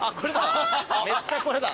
めっちゃこれだ。